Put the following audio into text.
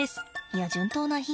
いや順当な比喩？